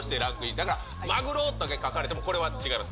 だからマグロだけ書かれてもこれは違います。